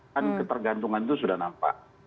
kan ketergantungan itu sudah nampak